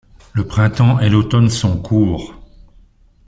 Le printemps et l'automne sont courts.